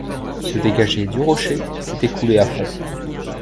Se dégager du rocher, c’était couler à fond.